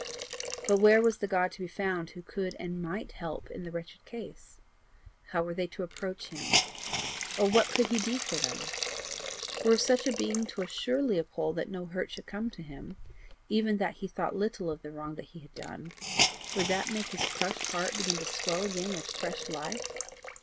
But where was the God to be found who could and MIGHT help in the wretched case? How were they to approach him? Or what could he do for them? Were such a being to assure Leopold that no hurt should come to him even that he thought little of the wrong that he had done would that make his crushed heart begin to swell again with fresh life?